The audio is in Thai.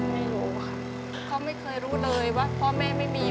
ไม่รู้ค่ะเขาไม่เคยรู้เลยว่าพ่อแม่ไม่มี